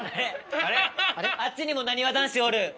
あっちにもなにわ男子おる。